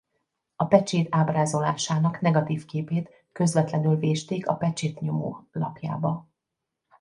A pecsét ábrázolásának negatív képét közvetlenül vésték a pecsétnyomó lapjába.